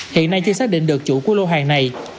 hiện nay chưa xác định được chủ của lô hàng này